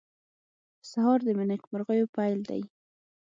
سهار د نیکمرغیو پېل دی.